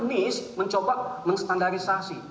nist mencoba menstandarisasi